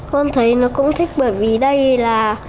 con thấy nó cũng thích bởi vì đây là